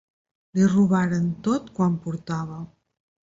Li robaren tot quant portava.